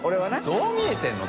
どう見えてるの？